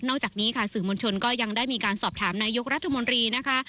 จากนี้ค่ะสื่อมวลชนก็ยังได้มีการสอบถามนายกรัฐมนตรีนะคะ